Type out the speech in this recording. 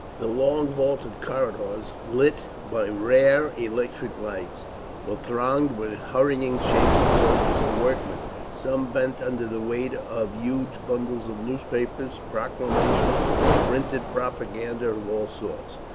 The long, vaulted corridors, lit by rare electric lights, were thronged with hurrying shapes of soldiers and workmen, some bent under the weight of huge bundles of newspapers, proclamations, printed propaganda of all sorts.